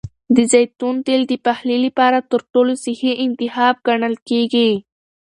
د زیتون تېل د پخلي لپاره تر ټولو صحي انتخاب ګڼل کېږي.